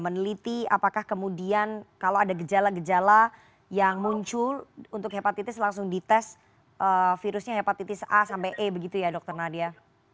meneliti apakah kemudian kalau ada gejala gejala yang muncul untuk hepatitis langsung dites virusnya hepatitis a sampai e begitu ya dokter nadia